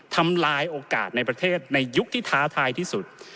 ทำลายโอกาสในประเทศในยุคที่ท้าทายที่สุด